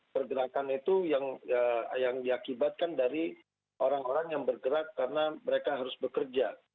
pergerakan itu yang diakibatkan dari orang orang yang bergerak karena mereka harus bekerja